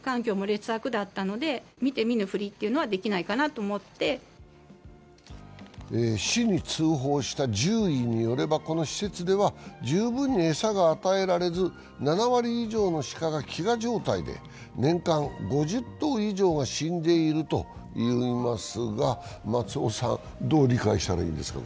ところが市に通報した獣医によれば、この施設では十分に餌が与えられず７割以上の鹿が飢餓状態で年間５０頭以上が死んでいるといいますが、松尾さん、どう理解したらいいんですか？